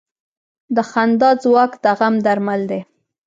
د خندا ځواک د غم درمل دی.